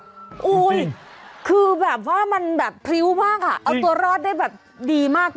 โอ้โหคือแบบว่ามันแบบพริ้วมากอ่ะเอาตัวรอดได้แบบดีมาก